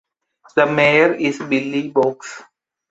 The mayor is Billy Boggs.